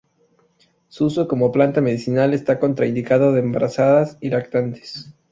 Su uso como planta medicinal está contraindicado en embarazadas y lactantes.